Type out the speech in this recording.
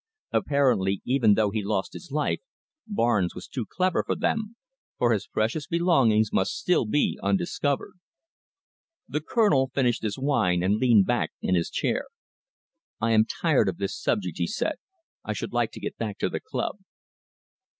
Apparently, even though he lost his life, Barnes was too clever for them, for his precious belongings must still be undiscovered." The Colonel finished his wine and leaned back in his chair. "I am tired of this subject," he said. "I should like to get back to the club."